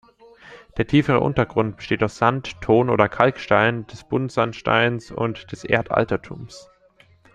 Der tiefere Untergrund besteht aus Sand-, Ton- oder Kalkstein des Buntsandsteins und des Erdaltertums.